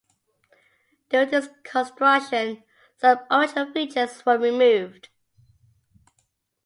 During this construction, some original features were removed.